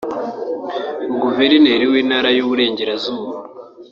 Guverineri w’Intara y’u Burengerazuba